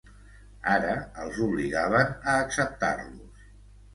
Ara els obligaven a acceptar-los